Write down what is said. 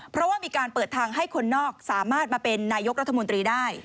เพราะว่ามีการเปิดทางให้คนนอกสามารถมาเป็นนายกรัฐมนตรีได้